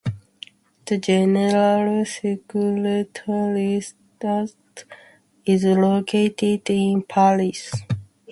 The General Secretariat is located in Paris.